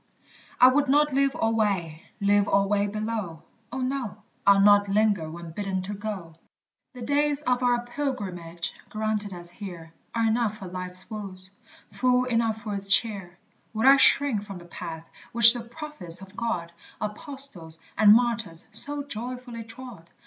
I would not live alway live alway below! Oh no, I'll not linger when bidden to go: The days of our pilgrimage granted us here Are enough for life's woes, full enough for its cheer: Would I shrink from the path which the prophets of God, Apostles, and martyrs, so joyfully trod?